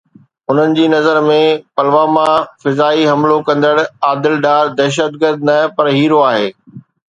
انهن جي نظر ۾ پلواما فدائي حملو ڪندڙ عادل ڊار دهشتگرد نه پر هيرو آهي.